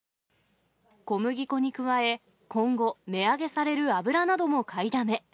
小麦粉に加え、今後、値上げされる油なども買いだめ。